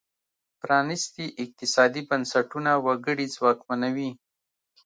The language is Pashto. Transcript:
پرانیستي اقتصادي بنسټونه وګړي ځواکمنوي.